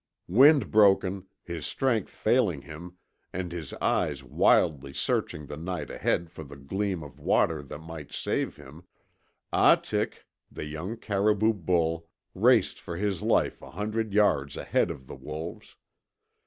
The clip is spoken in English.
Wind broken, his strength failing him, and his eyes wildly searching the night ahead for the gleam of water that might save him, Ahtik, the young caribou bull, raced for his life a hundred yards ahead of the wolves.